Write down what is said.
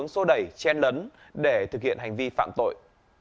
xô đẩy chen lấn để thực hiện hành vi phạm tội